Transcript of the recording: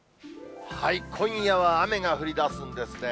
今夜は雨が降りだすんですね。